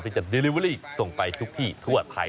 มีกลิ่นหอมกว่า